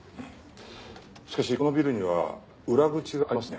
しかしこのビルには裏口がありますね。